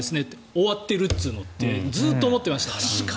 終わってるっつーのってずっと思ってましたから。